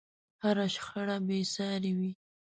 هره شخړه بې سارې وي.